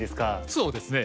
そうですね。